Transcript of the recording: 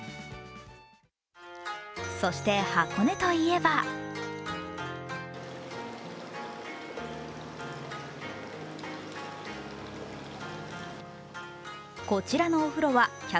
そして箱根といえばこちらのお風呂は、１００％